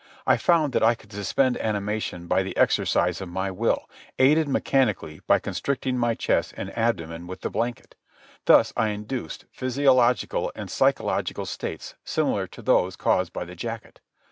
I found that I could suspend animation by the exercise of my will, aided mechanically by constricting my chest and abdomen with the blanket. Thus I induced physiological and psychological states similar to those caused by the jacket.